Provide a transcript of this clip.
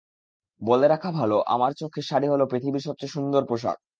বলে রাখা ভালো, আমার চোখে শাড়ি হলো পৃথিবীর সবচেয়ে সুন্দর পোশাক।